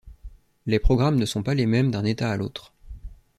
Les programmes ne sont pas les mêmes d'un état à l'autre.